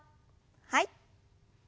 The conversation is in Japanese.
はい。